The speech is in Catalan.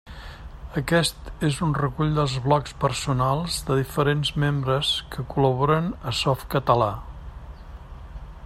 Aquest és un recull dels blocs personals de diferents membres que col·laboren a Softcatalà.